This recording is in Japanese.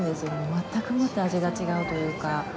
全くもって味が違うというか。